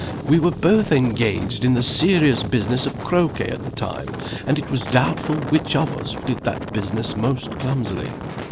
We were both engaged in the serious business of croquet at the time and it was doubtful which of us did that business most clumsily.